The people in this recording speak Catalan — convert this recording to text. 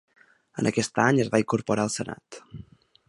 En aquest any es va incorporar al Senat.